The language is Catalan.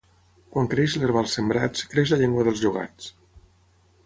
Quan creix l'herba als sembrats, creix la llengua dels llogats.